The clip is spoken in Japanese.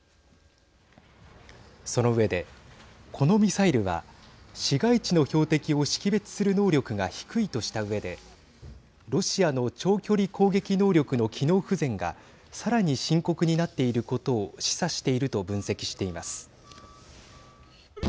その上で、このミサイルは市街地の標的を識別する能力が低いとしたうえでロシアの長距離攻撃能力の機能不全がさらに深刻になっていることを示唆していると分析しています。